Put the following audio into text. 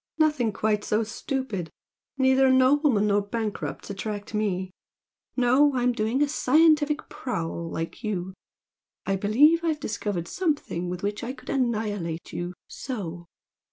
Nothing quite so stupid! Neither noblemen nor bankrupts attract me. No! I'm doing a scientific 'prowl,' like you. I believe I've discovered something with which I could annihilate you so!"